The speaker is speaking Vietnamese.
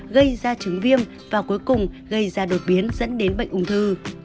gây ra chứng viêm và cuối cùng gây ra đột biến dẫn đến bệnh ung thư